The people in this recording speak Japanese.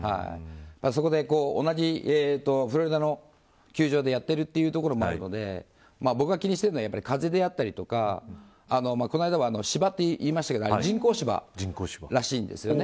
そこで、同じフロリダの球場でやっているというところもあるので僕が気にしているのは風だったりとかこの間は芝と言いましたが人工芝らしいんですよね。